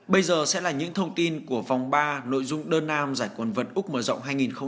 bây giờ sẽ là những thông tin của vòng ba nội dung đơn nam giải quần vật úc mở rộng hai nghìn hai mươi